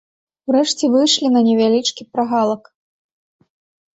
Урэшце выйшлі на невялічкі прагалак.